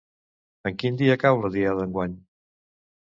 En quin dia cau la diada enguany?